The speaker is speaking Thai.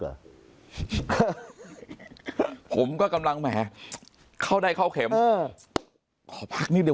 หรือผมก็กำลังแหมเข้าได้เข้าเข็มนิดเดียว